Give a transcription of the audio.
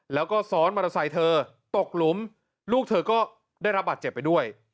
แล้วก็ซ้อนมอเตอร์ไซค์เธอตกหลุมลูกเธอก็ได้รับบาดเจ็บไปด้วย